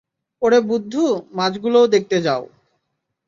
ওরে বুদ্ধু, মাছগুলো দেখতে যাও।